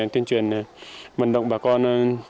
tuyên truyền vận động bà con